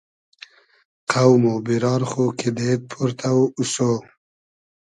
قۆم و بیرار خو کیدېد پۉرتۆ اوسۉ